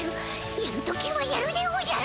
やる時はやるでおじゃる！